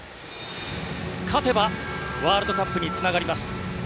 勝てばワールドカップにつながります。